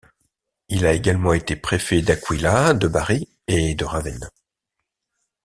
Il a également été préfet d'Aquila de Bari et de Ravenne.